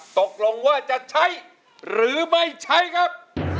ตกลงว่าจะใช้หรือไม่ใช้ครับ